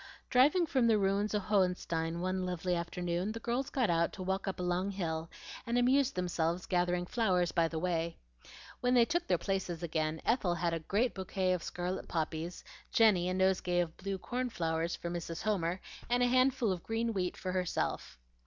Driving from the ruins of Hohenstein one lovely afternoon, the girls got out to walk up a long hill, and amused themselves gathering flowers by the way. When they took their places again, Ethel had a great bouquet of scarlet poppies, Jenny a nosegay of blue corn flowers for Mrs. Homer, and a handful of green wheat for herself.